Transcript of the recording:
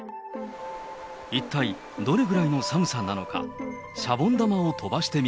一体どれぐらいの寒さなのか。